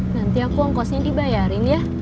nanti aku ongkosnya dibayarin ya